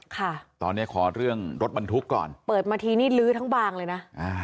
ค่ะตอนเนี้ยขอเรื่องรถบรรทุกก่อนเปิดมาทีนี่ลื้อทั้งบางเลยนะอ่า